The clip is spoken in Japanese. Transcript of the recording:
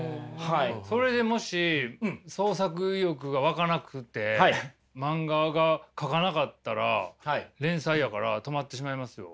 それでもし創作意欲がわかなくて漫画が描かなかったら連載やから止まってしまいますよ。